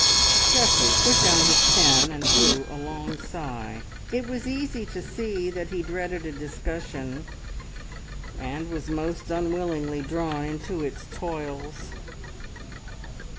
Geoffrey put down his pen and drew a long sigh. It was easy to see that he dreaded a discussion, and was most unwillingly drawn into its toils.